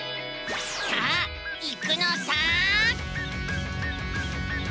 さあ行くのさ！